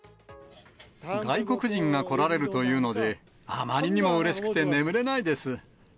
外国人が来られるというので、あまりにもうれしくて眠れないです。